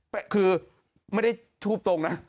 แต่คือไม่ได้ทูบตรงนะ